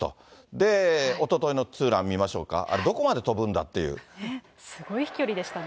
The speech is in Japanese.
で、おとといのツーラン見ましょうか、あれ、どこまで飛ぶんだっすごい飛距離でしたね。